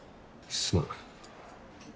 すまん。